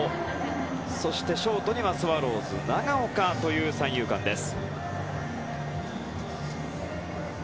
そしてショートにはスワローズ長岡という三遊間です。